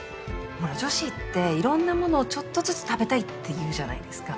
ほら女子っていろんなものをちょっとずつ食べたいっていうじゃないですか。